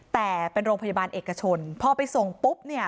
แต่เป็นโรงพยาบาลเอกชนพอไปส่งปุ๊บเนี่ย